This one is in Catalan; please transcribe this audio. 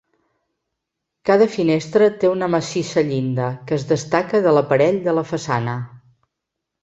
Cada finestra té una massissa llinda, que es destaca de l'aparell de la façana.